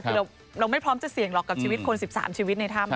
คือเราไม่พร้อมจะเสี่ยงหรอกกับชีวิตคน๑๓ชีวิตในถ้ำ